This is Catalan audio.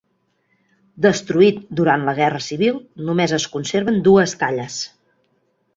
Destruït durant la guerra civil, només es conserven dues talles.